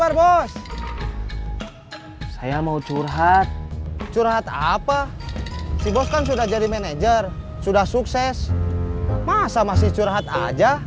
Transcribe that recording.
angkot yang pertama menunjukan menjadi ruang operasi kita